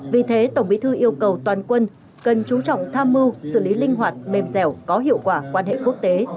vì thế tổng bí thư yêu cầu toàn quân cần chú trọng tham mưu xử lý linh hoạt mềm dẻo có hiệu quả quan hệ quốc tế